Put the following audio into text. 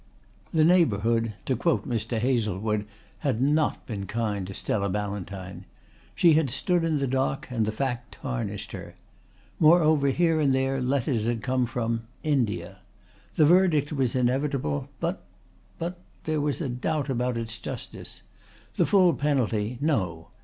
The neighbourhood, to quote Mr. Hazlewood, had not been kind to Stella Ballantyne. She had stood in the dock and the fact tarnished her. Moreover here and there letters had come from India. The verdict was inevitable, but but there was a doubt about its justice. The full penalty no.